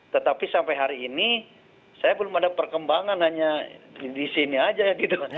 tetapi sampai hari ini saya belum ada perkembangan hanya di sini aja gitu